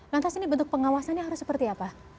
lantas ini bentuk pengawasannya harus seperti apa